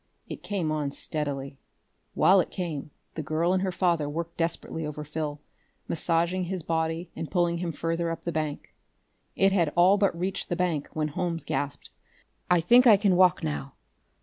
It came on steadily. While it came, the girl and her father worked desperately over Phil, massaging his body and pulling him further up the bank. It had all but reached the bank when Holmes gasped: "I think I can walk now.